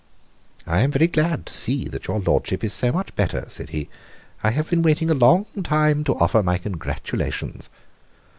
"I am very glad to see that your lordship is so much better," said he. "I have been waiting a long time to offer my congratulations."